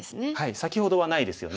先ほどはないですよね。